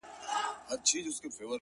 چي جانان مري دى روغ رمټ دی لېونى نـه دی؛